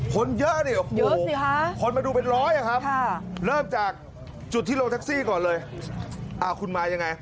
คนเยอะดิเยอะสิคะคนมาดูเป็นร้อยครับเริ่มจากจุดที่ลงแท็กซี่ก่อนเลยคุณมายังไง